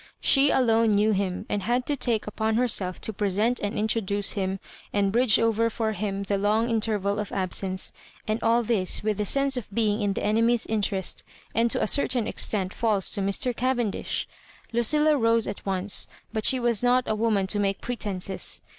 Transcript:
She alone knew him, and had to take upon herself to present and introduce him, and bridge over for him the long interval of absence, and all this with the sense of being in the ene my's interest, and to a certain extent false to Mr. Cavendish 1 Lucilla rose at once, but she was not a woman to make pretences.